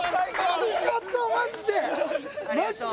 ありがとうマジで！